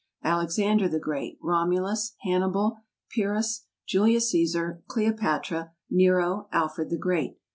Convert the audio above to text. Alexander the Great. Romulus. Hannibal. Pyrrhus. Julius Cæsar. Cleopatra. Nero. Alfred the Great.